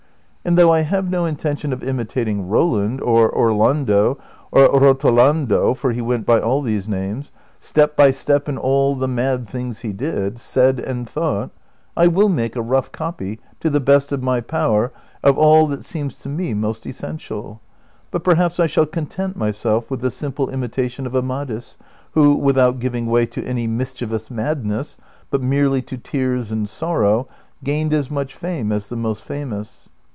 And though I have no inten tion of imitating Roland, or Orlando, or Rotolando (for he went by all these names), step by step in all the mad things he did, said, and thought, I will make a rough copy to the best of my power of all that seems to me most essential ; but perhaps I shall content myself with the simple imitation of Amadis, who, without giving way to any mischievous madness but merely to tears and sorrow, gained as much fame as the most famous."